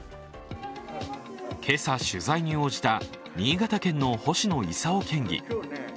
今朝、取材に応じた新潟県の星野伊佐夫県議。